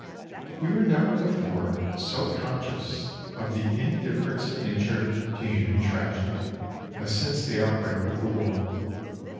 We were never before so conscious of the indifference of Nature to human tragedy as since the outbreak of the war.